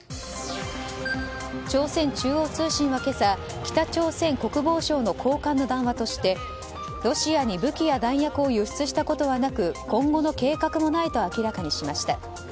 朝鮮中央通信は今朝北朝鮮国防省の高官の談話としてロシアに武器や弾薬を輸出したことはなく今後の計画もないと明らかにしました。